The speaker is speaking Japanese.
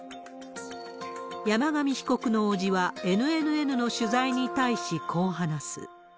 山上被告の伯父は、ＮＮＮの取材に対し、こう話す。